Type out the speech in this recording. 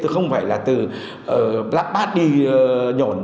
không phải là từ lắp bát đi nhổn